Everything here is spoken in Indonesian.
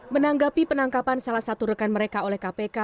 menanggapi penangkapan salah satu rekan mereka oleh kpk